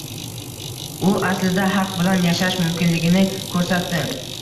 U aslida, haq bilan yashash mumkinligini ko‘rsatdi.